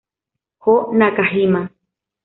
Jo Nakajima